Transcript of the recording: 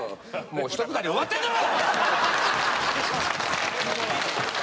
もうひとくだり終わってんだろ！